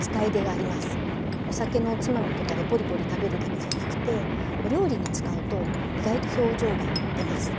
お酒のおつまみとかでポリポリ食べるだけじゃなくてお料理に使うと意外と表情が出ます。